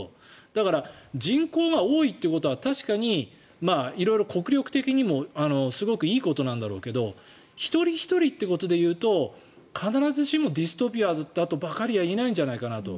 だから人口が多いというのは確かに国力的にもすごくいいことなんだろうけど一人ひとりということでいうと必ずしもディストピアとばかり言えないんじゃないかなと。